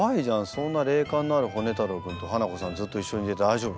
そんな霊感のあるホネ太郎君とハナコさんずっと一緒にいて大丈夫？